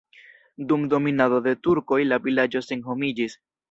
Dum dominado de turkoj la vilaĝo senhomiĝis.